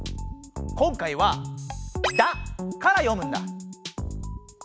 今回は「だ」から読むんだ。